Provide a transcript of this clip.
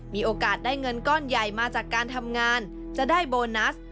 มีโอกาสได้เงินก้อนใหญ่มาจากการทำงานจะได้โบนัส